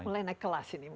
jadi mulai naik kelas ini